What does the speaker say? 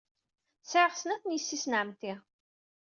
Sɛiɣ snat n yessi-s n ɛemmti.